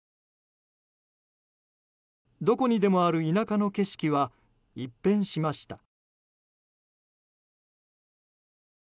どこにでもある田舎の景色は一変しました。